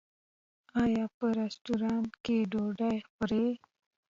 ایا په رستورانت کې ډوډۍ خورئ؟